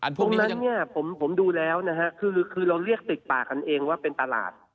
ตรงนั้นเนี่ยผมดูแล้วนะฮะคือเราเรียกตึกปากกันเองว่าเป็นตลาด